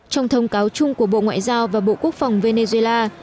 trong thông cáo chung của bộ ngoại giao và bộ quốc phòng venezuela